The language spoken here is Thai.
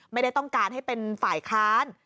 ไม่ได้ต้องการให้เป็นฝ่ายค้าน